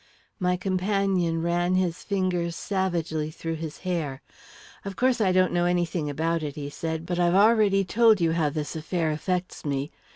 My companion ran his fingers savagely through his hair. "Of course I don't know anything about it," he said, "but I've already told you how the affair affects me.